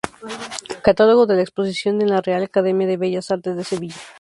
Catálogo de la exposición en la Real Academia de Bellas Artes de Sevilla.